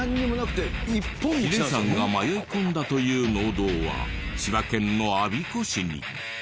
ヒデさんが迷い込んだという農道は千葉県の我孫子市に。